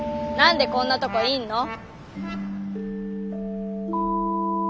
何でこんなとこいんの？